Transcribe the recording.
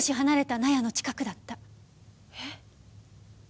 えっ？